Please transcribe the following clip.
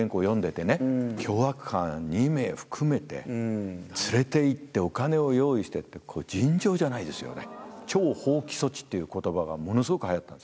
凶悪犯２名含めて連れて行ってお金を用意してって尋常じゃないですよね。っていう言葉がものすごく。